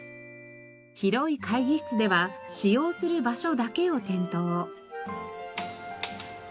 広い会議室では使用する場所だけを点灯。